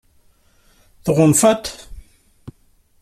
Tɣunfaḍ-t?